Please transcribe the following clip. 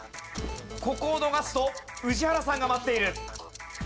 ここを逃すと宇治原さんが待っている。